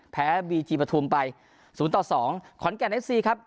แพ้บีจีปธุมไปศูนย์ต่อสองขอนแก่นเอฟซีครับ